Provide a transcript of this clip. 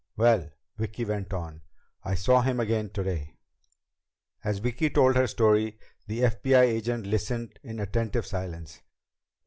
"Well," Vicki went on, "I saw him again today." As Vicki told her story, the FBI agent listened in attentive silence.